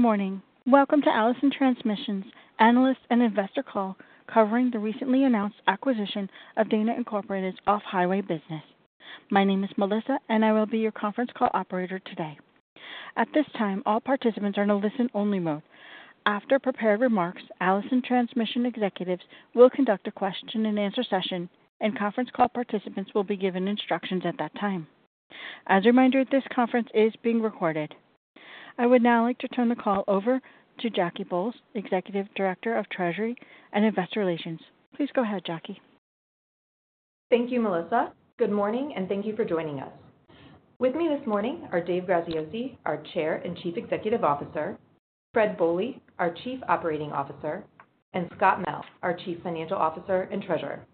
Morning. Welcome to Allison Transmission's analyst and investor call covering the recently announced acquisition of Dana Incorporated's off-highway business. My name is Melissa and I will be your conference call operator today. At this time, all participants are in a listen only mode. After prepared remarks, Allison Transmission executives will conduct a question and answer session and conference call. Participants will be given instructions at that time. As a reminder, this conference is being recorded. I would now like to turn the call over to Jackie Bolles, Executive Director of Treasury and Investor Relations. Please go ahead. Jackie. Thank you. Good morning and thank you for joining us. With me this morning are Dave Graziosi, our Chair and Chief Executive Officer, Fred Bohley, our Chief Operating Officer, and Scott Mell, our Chief Financial Officer and Treasurer.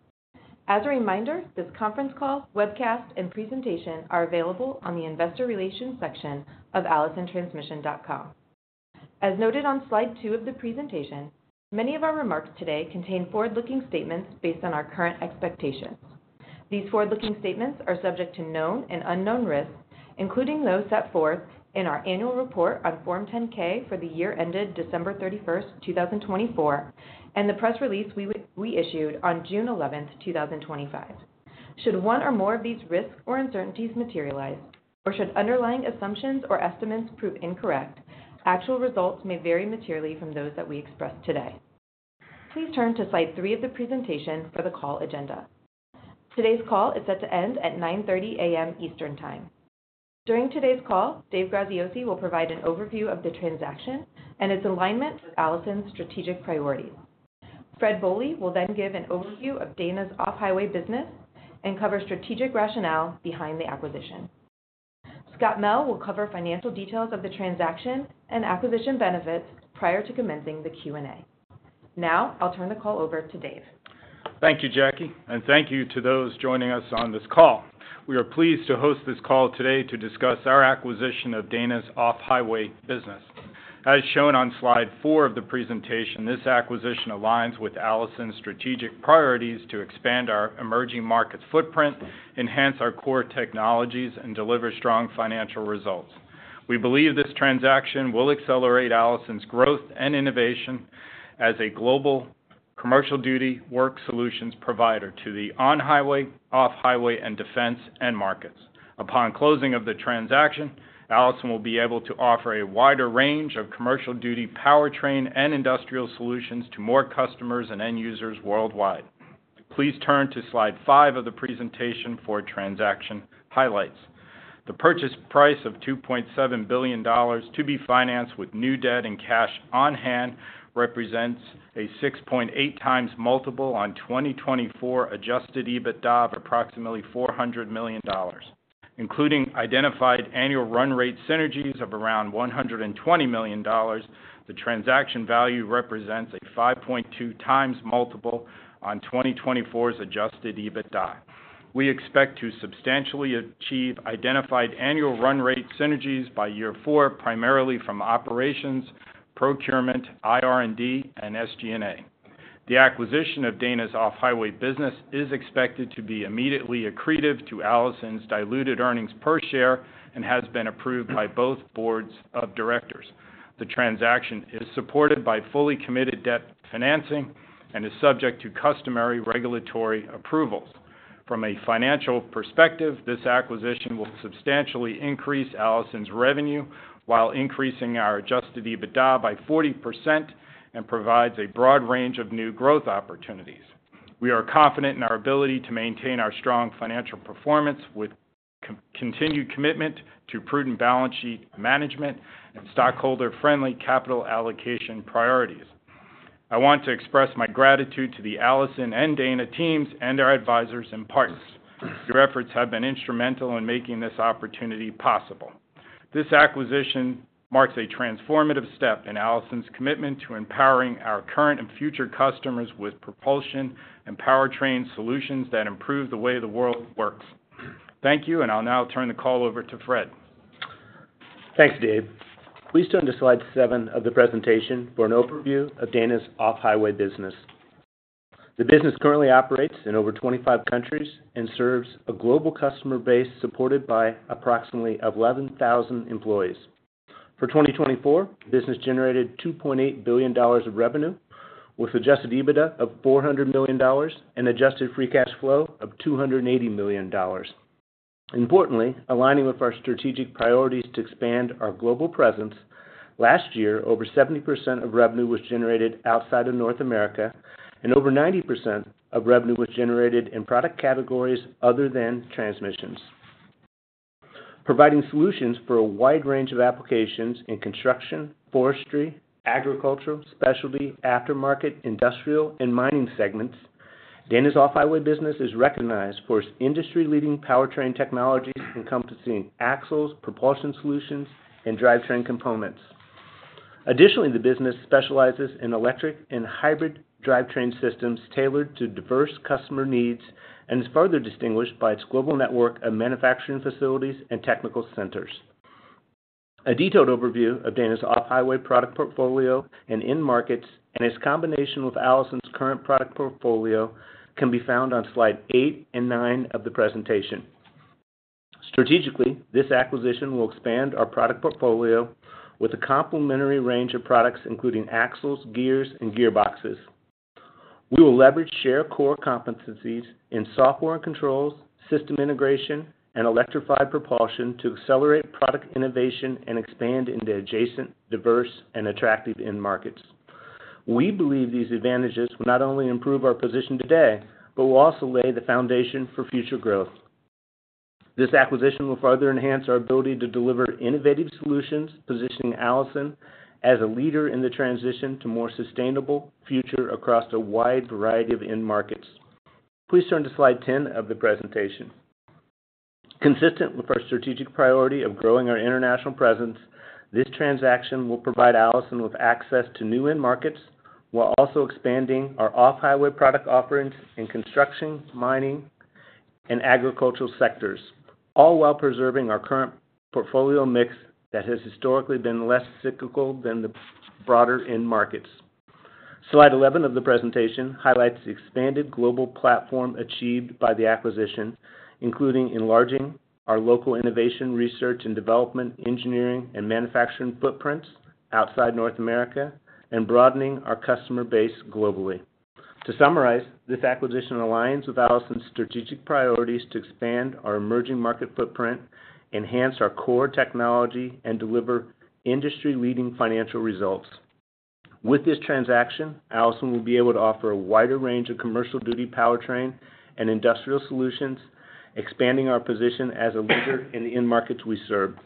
As a reminder, this conference call, webcast, and presentation are available on the Investor Relations section of allisontransmission.com. As noted on slide 2 of the presentation, many of our remarks today contain forward-looking statements based on our current expectations. These forward-looking statements are subject to known and unknown risks, including those set forth in our annual report on Form 10-K for the year ended December 31st, 2024, and the press release we issued on June 11th, 2025. Should one or more of these risks or uncertainties materialize, or should underlying assumptions or estimates prove incorrect, actual results may vary materially from those that we express today. Please turn to slide 3 of the presentation for the call agenda. Today's call is set to end at 9:30 A.M. Eastern Time. During today's call, Dave Graziosi will provide an overview of the transaction and its alignment with Allison's strategic priorities. Fred Bohley will then give an overview of Dana's off-highway business and cover strategic rationale behind the acquisition. Scott Mell will cover financial details of the transaction and acquisition benefits prior to commencing the Q&A. Now I'll turn the call over to Dave. Thank you, Jackie, and thank you to those joining us on this call. We are pleased to host this call today to discuss our acquisition of Dana's off-highway business. As shown on slide 4 of the presentation, this acquisition aligns with Allison's strategic priorities to expand our emerging markets footprint, enhance our core technologies, and deliver strong financial results. We believe this transaction will accelerate Allison's growth and innovation as a global commercial duty work solutions provider to the on-highway, off-highway, and defense end markets. Upon closing of the transaction, Allison will be able to offer a wider range of commercial duty, powertrain, and industrial solutions to more customers and end users worldwide. Please turn to slide 5 of the presentation for transaction highlights. The purchase price of $2.7 billion to be financed with new debt and cash on hand represents a 6.8x multiple on 2024 adjusted EBITDA of approximately $400 million, including identified annual run rate synergies of around $120 million. The transaction value represents a 5.2x multiple on 2024's adjusted EBITDA. We expect to substantially achieve identified annual run rate synergies by year four, primarily from operations, procurement, R&D, and SG&A. The acquisition of Dana's off-highway business is expected to be immediately accretive to Allison's diluted earnings per share and has been approved by both Boards of Directors. The transaction is supported by fully committed debt financing and is subject to customary regulatory approvals. From a financial perspective, this acquisition will substantially increase Allison's revenue while increasing our adjusted EBITDA by 40% and provides a broad range of new growth opportunities. We are confident in our ability to maintain our strong financial performance with continued commitment to prudent balance sheet management and stockholder friendly capital allocation priorities. I want to express my gratitude to the Allison and Dana teams and our advisors and partners. Your efforts have been instrumental in making this opportunity possible. This acquisition marks a transformative step in Allison's commitment to empowering our current and future customers with propulsion and powertrain solutions that improve the way the world works. Thank you and I'll now turn the call over to Fred. Thanks Dave. Please turn to slide 7 of the presentation for an overview of Dana's off-highway business. The business currently operates in over 25 countries and serves a global customer base supported by approximately 11,000 employees. For 2024, the business generated $2.8 billion of revenue with adjusted EBITDA of $400 million and adjusted free cash flow of $280 million. Importantly, aligning with our strategic priorities to expand our global presence, last year over 70% of revenue was generated outside of North America and over 90% of revenue was generated in product categories other than transmissions, providing solutions for a wide range of applications in construction, forestry, agricultural, specialty, aftermarket, industrial, and mining segments. Dana's off-highway business is recognized for its industry-leading powertrain technology encompassing axles, propulsion solutions, and drivetrain components. Additionally, the business specializes in electric and hybrid drivetrain systems tailored to diverse customer needs and is further distinguished by its global network of manufacturing facilities and technical centers. A detailed overview of Dana's off-highway product portfolio and end markets and its combination with Allison's current product portfolio can be found on slide 8 and 9 of the presentation. Strategically, this acquisition will expand our product portfolio with a complementary range of products including axles, gears, and gearboxes. We will leverage shared core competencies in software controls, system integration, and electrified propulsion to accelerate product innovation and expand into adjacent diverse and attractive end markets. We believe these advantages will not only improve our position today, but will also lay the foundation for future growth. This acquisition will further enhance our ability to deliver innovative solutions, positioning Allison as a leader in the transition to a more sustainable future across a wide variety of end markets. Please turn to slide 10 of the presentation. Consistent with our strategic priority of growing our international presence, this transaction will provide Allison with access to new end markets while also expanding our off-highway product offerings in construction, mining, and agricultural sectors, all while preserving our current portfolio mix that has historically been less cyclical than the broader end markets. Slide 11 of the presentation highlights the expanded global platform achieved by the acquisition, including enlarging our local innovation, research and development, engineering, and manufacturing footprints outside North America and broadening our customer base globally. To summarize, this acquisition aligns with Allison's strategic priorities to expand our emerging market footprint, enhance our core technology and deliver industry leading financial results. With this transaction, Allison will be able to offer a wider range of commercial duty, powertrain and industrial solutions, expanding our position as a leader in the end markets we serve.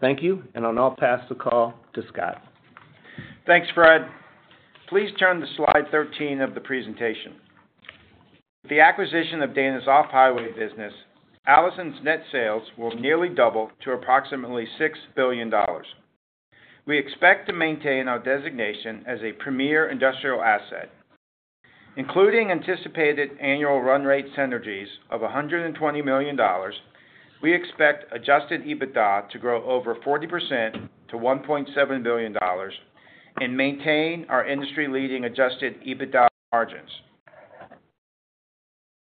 Thank you and I'll now pass the call to Scott. Thanks, Fred. Please turn to slide 13 of the presentation. With the acquisition of Dana's off-highway business, Allison's net sales will nearly double to approximately $6 billion. We expect to maintain our designation as a premier industrial asset, including anticipated annual run rate synergies of $120 million. We expect adjusted EBITDA to grow over 40% to $1.7 billion and maintain our industry leading adjusted EBITDA margins.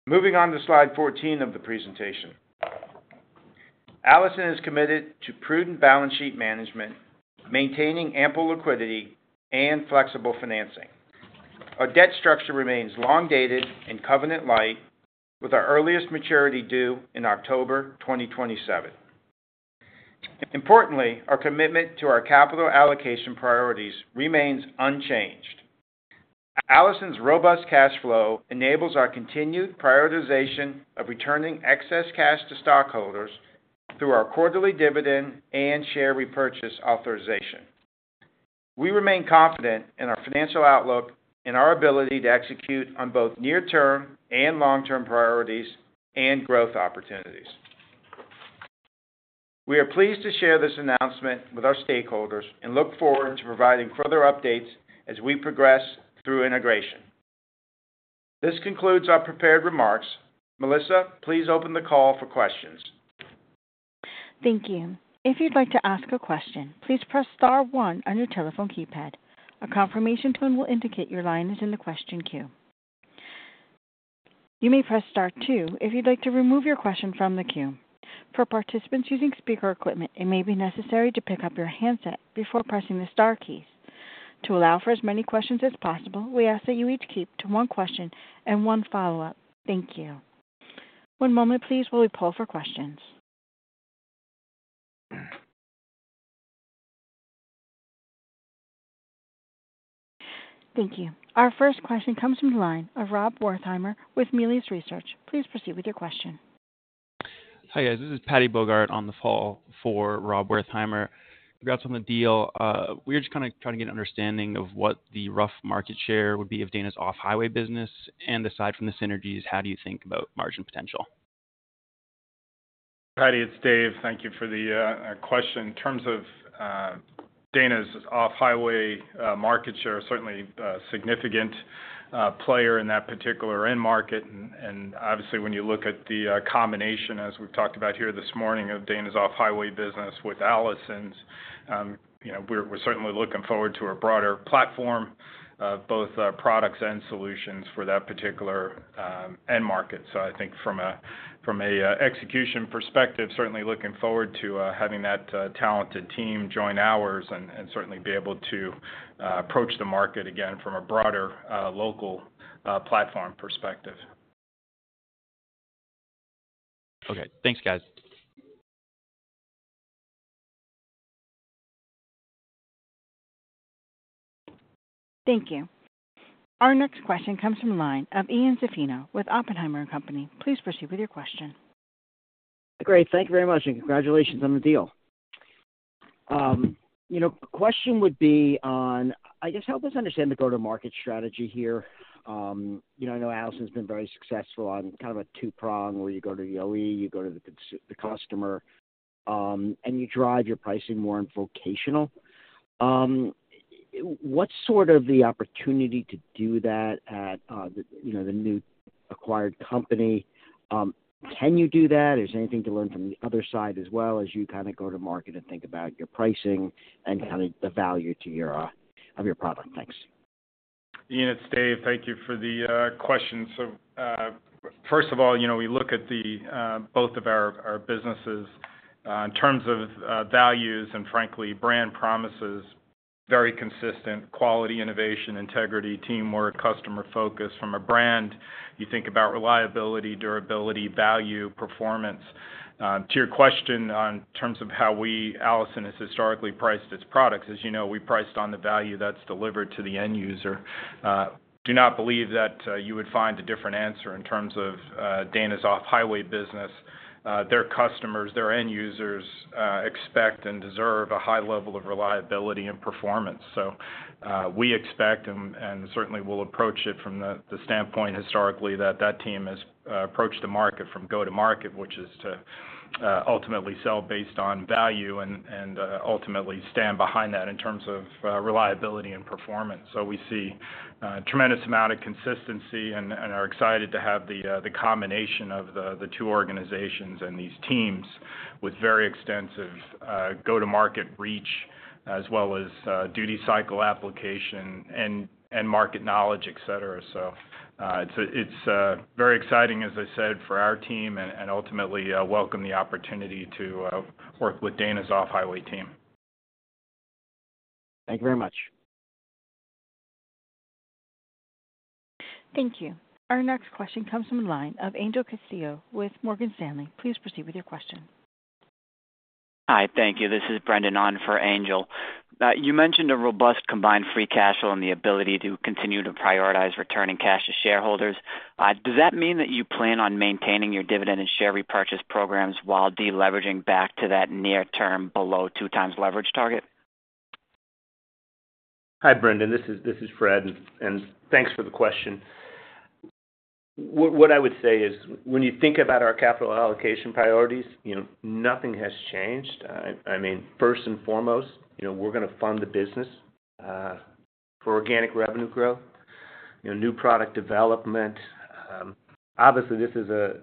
Moving on to slide 14 of the presentation. Allison is committed to prudent balance sheet management, maintaining ample liquidity and flexible financing. Our debt structure remains long dated and covenant light with our earliest maturity due in October 2027. Importantly, our commitment to our capital allocation priorities remains unchanged. Allison's robust cash flow enables our continued prioritization of returning excess cash to stockholders through our quarterly dividend and share repurchase authorization. We remain confident in our financial outlook and in our ability to execute on both near term and long term priorities and growth opportunities. We are pleased to share this announcement with our stakeholders and look forward to providing further updates as we progress through integration. This concludes our prepared remarks. Melissa, please open the call for questions. Thank you. If you'd like to ask a question, please press star one on your telephone keypad. A confirmation tone will indicate your line is in the question queue. You may press star two if you'd like to remove your question from the queue. For participants using speaker equipment, it may be necessary to pick up your handset before pressing the star keys. To allow for as many questions as possible, we ask that you each keep to one question and one follow up. Thank you. One moment please, while we poll for questions. Thank you. Our first question comes from the line of Rob Wertheimer with Melius Research. Please proceed with your question. Hi guys, this is Paddy Bogart on. The call for Rob Wertheimer. Congrats on the deal. We're just kind of trying to get an understanding of what the rough market share would be of Dana's off-highway business. Aside from the synergies, how do. You think about margin potential? Paddy, it's Dave. Thank you for the question. In terms of Dana's off-highway market share, certainly significant player in that particular end market. Obviously when you look at the combination as we've talked about here this morning of Dana's off-highway business with Allison's, you know, we're certainly looking forward to a broader platform, both products and solutions for that particular end market. I think from an execution perspective, certainly looking forward to having that talented team join ours and certainly be able to approach the market again from a broader local platform perspective. Okay, thanks guys. Thank you. Our next question comes from the line of Ian Zaffino with Oppenheimer & Co. Please proceed with your question. Great. Thank you very much and congratulations on the deal. You know, question would be on, I guess help us understand the go to market strategy here. You know, I know Allison has been very successful on kind of a two prong where you go to the OEM, you go to the customer and you drive your pricing more on vocational. What's sort of the opportunity to do that at the new acquired company? Can you do that? Is there anything to learn from the other side as well as you kind. Of go-to-market and think about. Your pricing and the value of your product. Thanks, Ian. It's Dave. Thank you for the question. First of all, we look at both of our businesses in terms of values and, frankly, brand promises: very consistent quality, innovation, integrity, teamwork, customer focus. From a brand, you think about reliability, durability, value, performance. To your question, in terms of how we at Allison have historically priced its products, as you know, we priced on the value that's delivered to the end user. Do not believe that you would find a different answer. In terms of Dana's off-highway business, their customers, their end users expect and deserve a high level of reliability and performance. We expect and certainly will approach it from the standpoint historically that that team has approached the market from go to market, which is to ultimately sell based on value and ultimately stand behind that in terms of reliability and performance. We see a tremendous amount of consistency and are excited to have the combination of the two organizations and these teams with very extensive go-to-market reach as well as duty cycle application and market knowledge, et cetera. It is very exciting, as I said, for our team and ultimately welcome the opportunity to work with Dana's off-highway team. Thank you very much. Thank you. Our next question comes from the line of Angel Castillo with Morgan Stanley. Please proceed with your question. Hi, thank you. This is Brendan on for Angel. You mentioned a robust combined free cash flow and the ability to continue to prioritize returning cash to shareholders. Does that mean that you plan on maintaining your dividend and share repurchase programs while deleveraging back to that near term below two times leverage target? Hi Brendan, this is Fred and thanks for the question. What I would say is when you think about our capital allocation priorities, nothing has changed. I mean first and foremost we're going to fund the business for organic revenue growth, new product development. Obviously this is a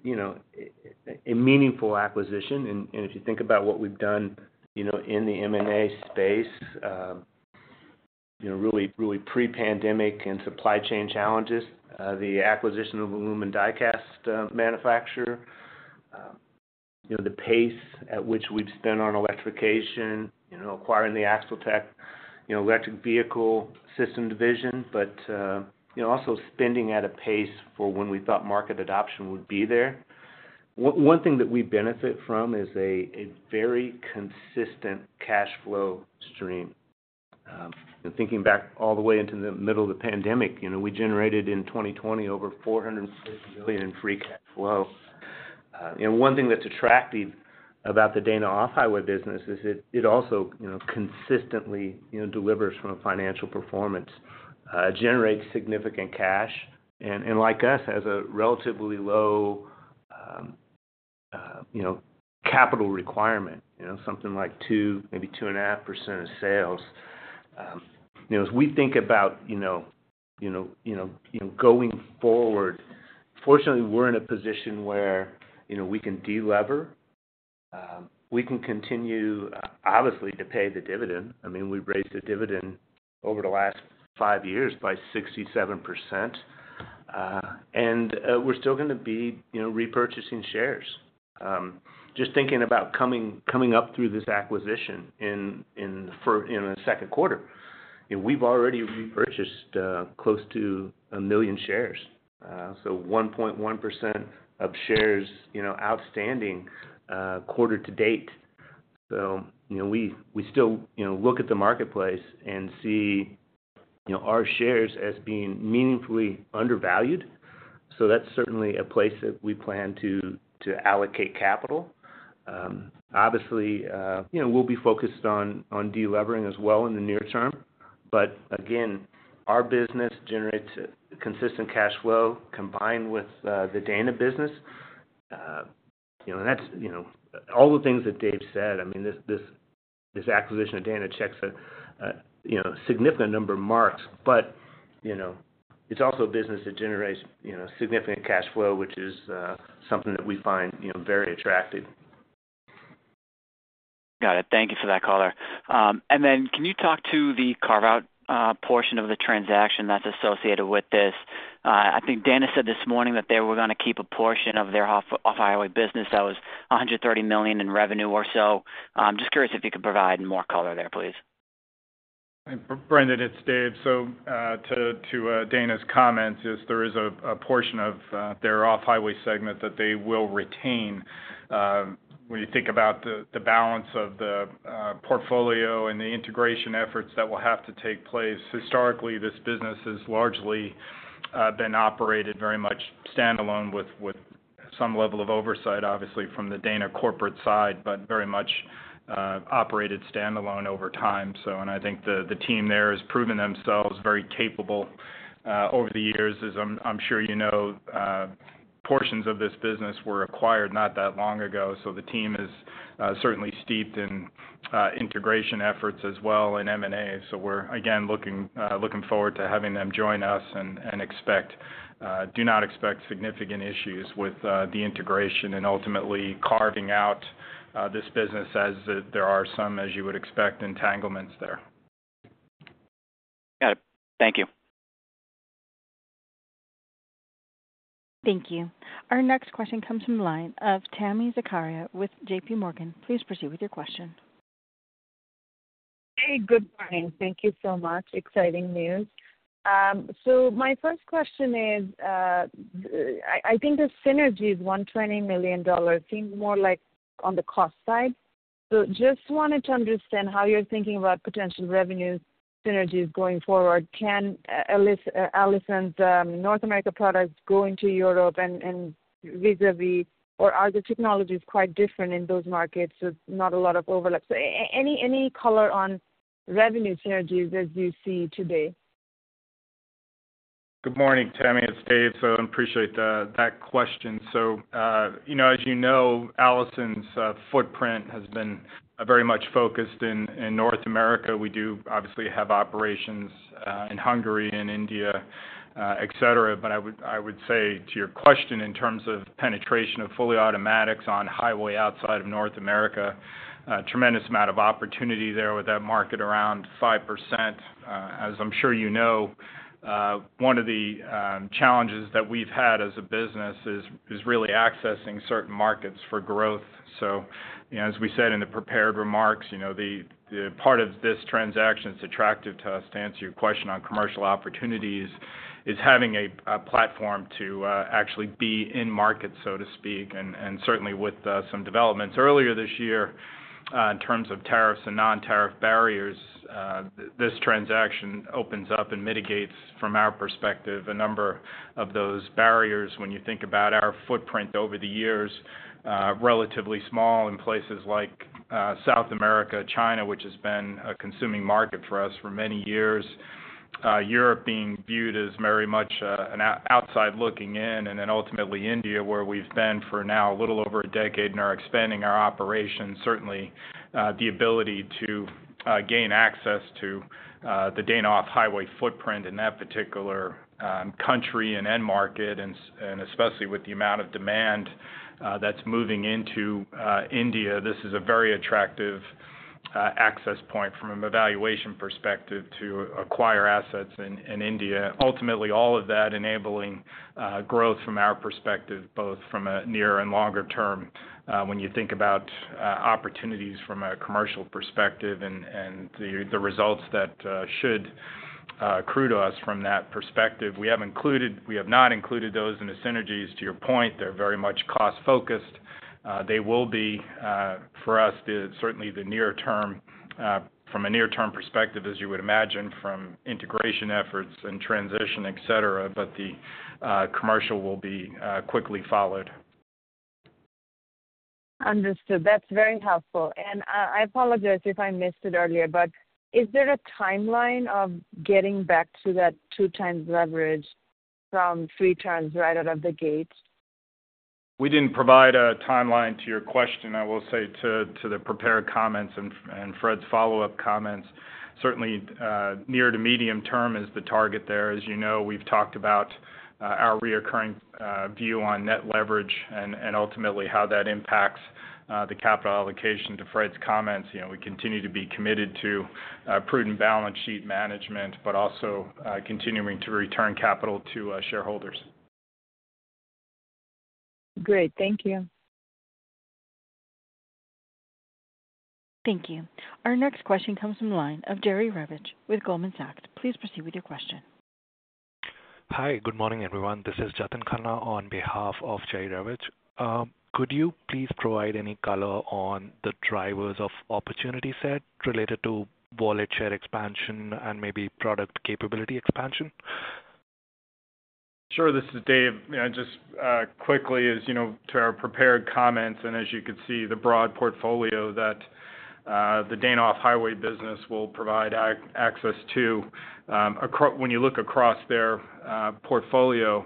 meaningful acquisition. If you think about what we've done, you know, in the M&A space, you know, really, really pre-pandemic and supply chain challenges, the acquisition of aluminum die cast manufacturer, you know, the pace at which we've spent on electrification, you know, acquiring the AxleTech electric vehicle system division, but you know, also spending at a pace for when we thought market adoption would be there. One thing that we benefit from is a very consistent cash flow stream. Thinking back all the way into the middle of the pandemic, we generated in 2020 over $450 million in free cash flow. One thing that's attractive about the Dana off-highway business is it also consistently delivers from a financial performance, generates significant cash and like us, has a relatively low capital requirement. Something like 2%-2.5% of sales as we think about going forward. Fortunately, we're in a position where we can delever, we can continue obviously to pay the dividend. I mean, we raised the dividend over the last five years by 67% and we're still going to be repurchasing shares. Just thinking about coming up through this acquisition in the second quarter. We've already repurchased close to a million shares, so 1.1% of shares outstanding quarter-to-date. We still look at the marketplace and see our shares as being meaningfully undervalued. That's certainly a place that we plan to allocate capital. Obviously we'll be focused on delevering as well in the near term. Again, our business generates consistent cash flow combined with the Dana business. That's all the things that Dave said. This acquisition of Dana checks a significant number of marks, but it's also a business that generates significant cash flow, which is something that we find very attractive. Got it. Thank you for that color. Can you talk to the carve out portion of the transaction that's associated with this? I think Dana said this morning that they were going to keep a portion of their off-highway business that was $130 million in revenue or so. I'm just curious if you could provide more color there please. Brendan, it's Dave. To Dana's comments, there is a portion of their off-highway segment that they will retain when you think about the balance of the portfolio and the integration efforts that will have to take place. Historically, this business has largely been operated very much standalone with some level of oversight, obviously, from the Dana corporate side, but very much operated standalone over time. I think the team there has proven themselves very capable over the years. As I'm sure you know, portions of this business were acquired not that long ago. The team is certainly steeped in integration efforts as well and M&A. We are again looking forward to having them join us and do not expect significant issues with the integration and ultimately carving out this business, as there are some, as you would expect, entanglements there. Got it. Thank you. Thank you. Our next question comes from the line of Tami Zakaria with JPMorgan. Please proceed with your question. Good morning. Thank you so much. Exciting news. My first question is I think the synergies $120 million seems more like on the cost side. I just wanted to understand how you're thinking about potential revenue synergies going forward. Can Allison's North America products go into Europe and vis-a-vis or are the technologies quite different in those markets with not a lot of overlap? Any color on revenue synergies as you see today? Good morning Tami, it's Dave. I appreciate that question. As you know, Allison's footprint has been very much focused in North America. We do obviously have operations in Hungary and India, etc. I would say to your question, in terms of penetration of fully automatics on highway outside of North America, tremendous amount of opportunity there with that market around 5% as I'm sure you know. One of the challenges that we've had as a business is really accessing certain markets for growth. As we said in the prepared remarks, the part of this transaction that's attractive to us, to answer your question on commercial opportunities, is having a platform to actually be in market, so to speak. Certainly with some developments earlier this year in terms of tariffs and non tariff barriers, this transaction opens up and mitigates from our perspective a number of those barriers. When you think about our footprint over the years, relatively small in places like South America, China which has been a consuming market for us for many years, Europe being viewed as very much an outside looking in and then ultimately India where we've been for now a little over a decade and are expanding our operations, certainly the ability to gain access to the Dana off-highway footprint in that particular country and end market and especially with the amount of demand that's moving into India, this is a very attractive access point from an evaluation perspective to acquire assets and India ultimately all of that enabling growth from our perspective both from a near and longer term. When you think about opportunities from a commercial perspective and the results that should accrue to us from that perspective, we have not included those in the synergies to your point. They are very much cost focused. They will be for us certainly the near term from a near term perspective as you would imagine from integration efforts and transition, et cetera. The commercial will be quickly followed. Understood, that's very helpful and I apologize if I missed it earlier, but is there a timeline of getting back to that two times leverage from three times right out of the gate? We did not provide a timeline to your question. I will say to the prepared comments and Fred's follow-up comments, certainly near to medium term is the target there. As you know, we have talked about our recurring view on net leverage and ultimately how that impacts the capital allocation. To Fred's comments, you know we continue to be committed to prudent balance sheet management but also continuing to return capital to shareholders. Great, thank you. Thank you. Our next question comes from the line of Jerry Revich with Goldman Sachs. Please proceed with your question. Hi, good morning everyone. This is Jatin Khanna. On behalf of Jerry Revich, could you please provide any color on the drivers of opportunity set related to wallet share expansion and maybe product capability expansion. Sure. This is Dave, just quickly as you know to our prepared comments and as you can see, the broad portfolio that the Dana off-highway business will provide access to when you look across their portfolio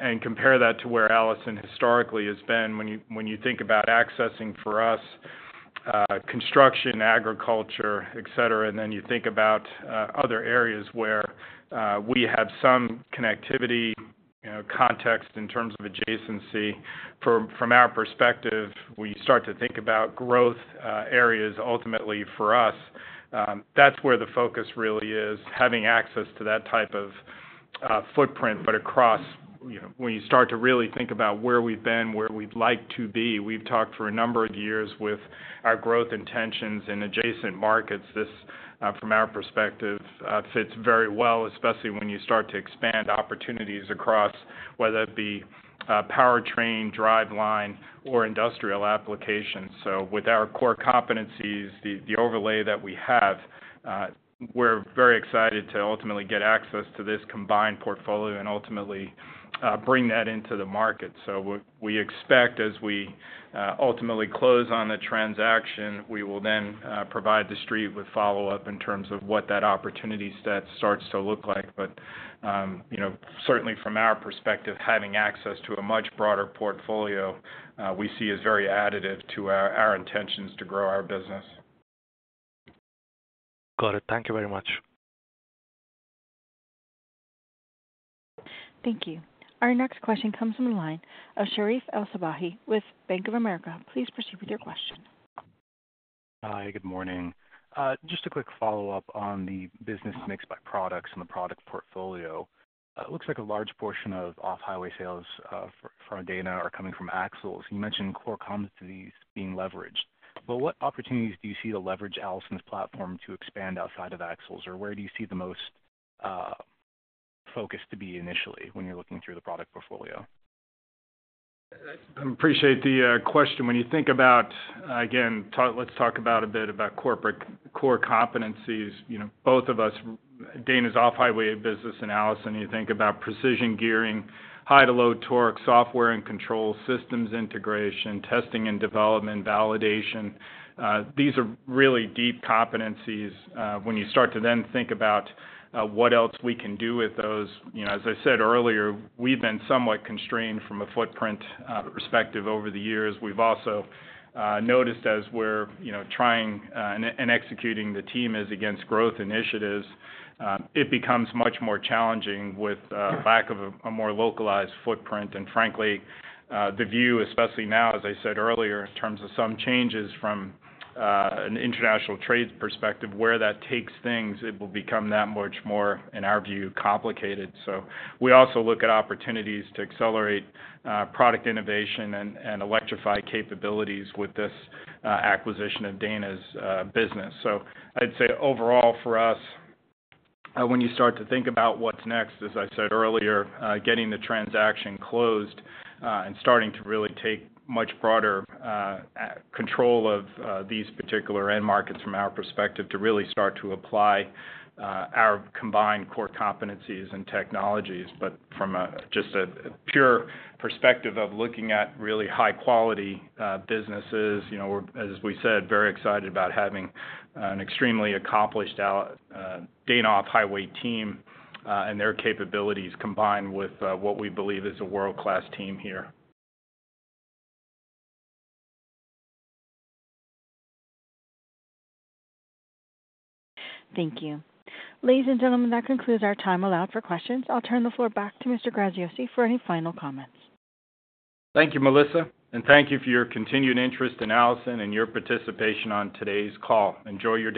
and compare that to where Allison historically has been, when you think about accessing for us, construction, agriculture, et cetera, and then you think about other areas where we have some connectivity, context in terms of adjacency, from our perspective, we start to think about growth areas. Ultimately for us, that's where the focus really is, having access to that type of footprint. Across, when you start to really think about where we've been, where we'd like to be, we've talked for a number of years with our growth intentions in adjacent markets. This from our perspective fits very well especially when you start to expand opportunities across whether it be powertrain, driveline or industrial applications. With our core competencies, the overlay that we have, we're very excited to ultimately get access to this combined portfolio and ultimately bring that into the market. We expect as we ultimately close on the transaction, we will then provide the street with follow up in terms of what that opportunity set starts to look like. You know, certainly from our perspective, having access to a much broader portfolio we see as very additive to our intentions to grow our business. Got it. Thank you very much. Thank you. Our next question comes from the line of Sherif El-Sabbahy with Bank of America. Please proceed with your question. Hi, good morning. Just a quick follow-up on the business mix by products and the product portfolio. It looks like a large portion of off-highway sales from Dana are coming from axles. You mentioned core competencies being leveraged. What opportunities do you see to leverage Allison's platform to expand outside of axles, or where do you see the most focus to be initially when you're looking through the product portfolio? I appreciate the question. When you think about again, let's talk about a bit about corporate core competencies. You know, both of us, Dana's off-highway business, Allison, you think about precision gearing, high to low torque software and control, systems integration, testing and development, validation. These are really deep competencies. When you start to then think about what else we can do with those. You know, as I said earlier, we've been somewhat constrained from a footprint perspective over the years. We've also noticed as we're trying and executing, the team is against growth initiatives, it becomes much more challenging with lack of a more localized footprint. And frankly the view, especially now as I said earlier in terms of some changes from an international trade perspective where that takes things, it will become that much more in our view complicated. We also look at opportunities to accelerate product innovation and electrify capabilities with this acquisition of Dana's business. I'd say overall for us, when you start to think about what's next, as I said earlier, getting the transaction closed and starting to really take much broader control of these particular end markets from our perspective to really start to apply our combined core competencies and technologies. From just a pure perspective of looking at really high quality businesses, you know, as we said, very excited about having an extremely accomplished Dana off-highway team and their capabilities combined with what we believe is a world class team here. Thank you, ladies and gentlemen. That concludes our time allowed for questions. I'll turn the floor back to Mr. Graziosi for any final comments. Thank you, Melissa, and thank you for your continued interest in Allison and your participation on today's call. Enjoy your day.